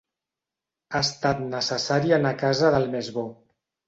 Ha estat necessari anar a casa del més bo.